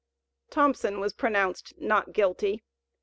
Thompson was pronounced "not guilty."